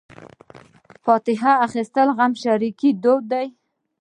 فاتحه اخیستل د غمشریکۍ دود دی.